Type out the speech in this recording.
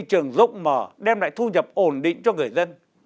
trường rộng mở đem lại thu nhập ổn định cho người dân